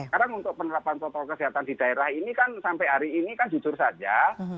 karena untuk penerapan protokol kesehatan di daerah ini kan sampai hari ini kan jujur saja